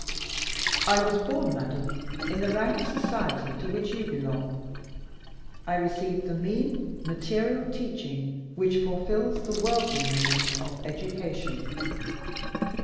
"I was born, madam, in the rank of society to which you belong. I received the mean, material teaching which fulfills the worldly notion of education.